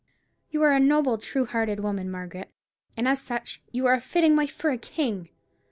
"You are a noble, true hearted woman, Margaret; and as such you are a fitting wife for a king.